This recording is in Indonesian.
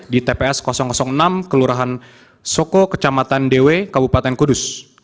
di tps enam kelurahan soko kecamatan dewi kabupaten kudus